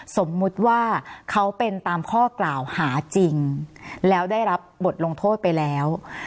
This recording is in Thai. สมมุติว่าเขาเป็นตามข้อกล่าวหาจริงแล้วได้รับบทลงโทษไปแล้ว